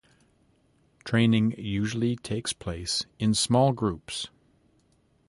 Training usually takes place in small groups.